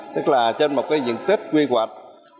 tức là trên một diện tích quy hoạch